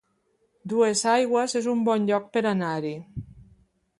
Duesaigües es un bon lloc per anar-hi